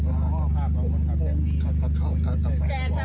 ก็กินอย่างเขาไว้แหละ